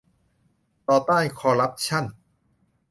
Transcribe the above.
ต่อต้านคอร์รัปชั่น